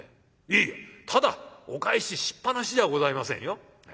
いやただお帰ししっぱなしではございませんよ。